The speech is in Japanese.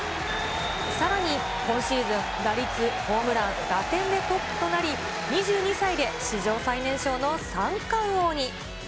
さらに、今シーズン、打率、ホームラン、打点でトップとなり、２２歳で史上最年少の三冠王に。